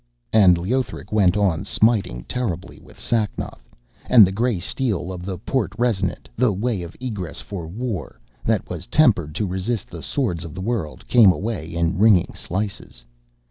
And Leothric went on smiting terribly with Sacnoth, and the grey steel of the Porte Resonant, the Way of Egress for War, that was tempered to resist the swords of the world, came away in ringing slices.